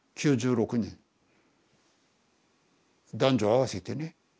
男女合わせてね。